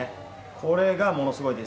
これがものすごいです。